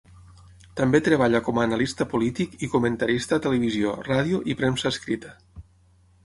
També treballa com a analista polític i comentarista a televisió, ràdio i premsa escrita.